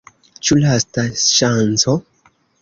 Ĉu lasta ŝanco?